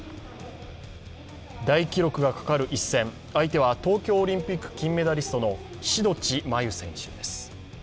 大記録がかかる一戦、相手は東京オリンピック金メダリストの志土地真優選手です。